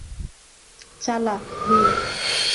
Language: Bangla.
চালা, উইল।